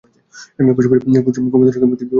কুমুদের সঙ্গে মতির বিবাহ?